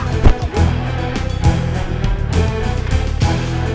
dari mana kau kejar